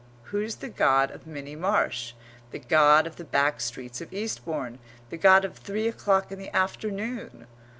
Who's the God of Minnie Marsh, the God of the back streets of Eastbourne, the God of three o'clock in the afternoon?